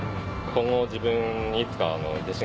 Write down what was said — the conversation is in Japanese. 今後自分にいつか。